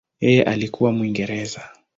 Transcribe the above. Yeye alikuwa Mwingereza.